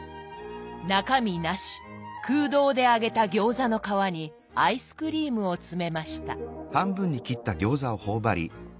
中身なし空洞で揚げた餃子の皮にアイスクリームを詰めました。